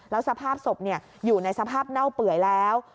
แล้วสภาพศพอยู่ในสภาพเน่าเปื่อยแล้ว